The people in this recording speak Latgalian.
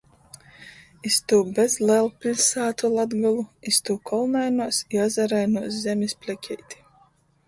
Iz tū bezlelpiļsātu Latgolu, iz tū kolnainuos i azarainuos zemis plekeiti.